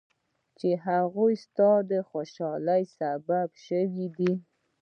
چې هغوی ستا د خوشحالۍ سبب شوي دي.